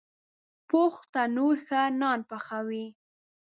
پوخ تنور ښه نان پخوي